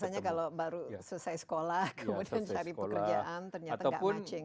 biasanya kalau baru selesai sekolah kemudian cari pekerjaan ternyata gak matching